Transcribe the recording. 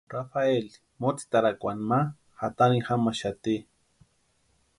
Rafaeli motsitarakwani ma jatarini jamaxati.